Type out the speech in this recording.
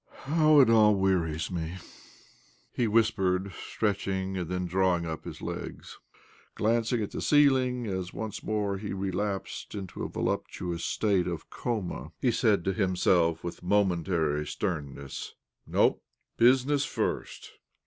" How it all wearies me I " he whispered, stretching, and then drawing up, his legs. Glancing at the ceiling as once more he relapsed into a voluptuous state of coma, he said to himself with momentary sternness :" No — ^business first."